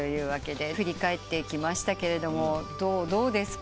振り返ってきましたがどうですか？